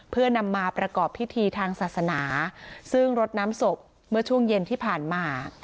เพื่อนำมาประกอบพิธีทางศาสนาซึ่งรดน้ำศพเมื่อช่วงเย็นที่ผ่านมา